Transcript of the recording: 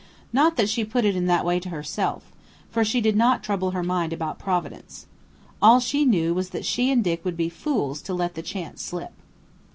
Not that she put it in that way to herself, for she did not trouble her mind about Providence. All she knew was that she and Dick would be fools to let the chance slip.